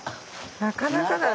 なかなかだね！